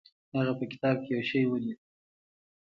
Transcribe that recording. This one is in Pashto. هغه په کتاب کې یو شی ولید.